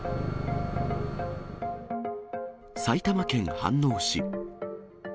埼玉県飯能市。